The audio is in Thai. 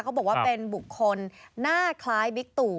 เขาบอกว่าเป็นบุคคลหน้าคล้ายบิ๊กตู่